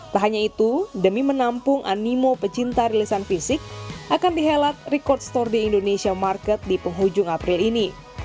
tak hanya itu demi menampung animo pecinta rilisan fisik akan dihelat record store di indonesia market di penghujung april ini